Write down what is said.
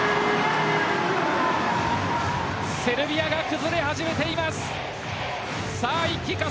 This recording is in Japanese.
セルビアが崩れ始めています。